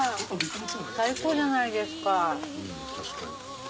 最高じゃないですか。